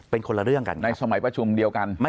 เป็นคนละเรื่องกันในสมัยประชุมเดียวกัน